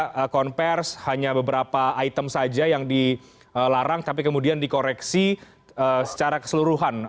ada konvers hanya beberapa item saja yang dilarang tapi kemudian dikoreksi secara keseluruhan